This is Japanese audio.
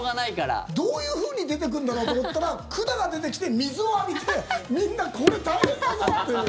どういうふうに出てくるんだろうと思ったら管が出てきて、水を浴びてみんな、これ大変だぞっていう。